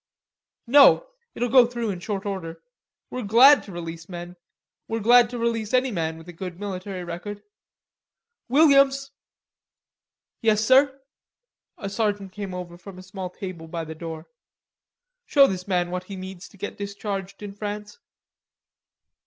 "No.... It'll go through in short order. We're glad to release men.... We're glad to release any man with a good military record.... Williams!" "Yes, sir." A sergeant came over from a small table by the door. "Show this man what he needs to do to get discharged in France."